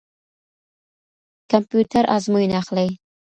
کمپيوټر آزموينه اخلي.